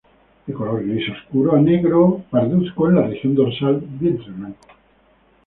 De color gris oscuro a negro parduzco en la región dorsal, vientre blanco.